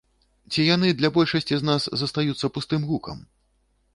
Ці яны для большасці з нас застаюцца пустым гукам?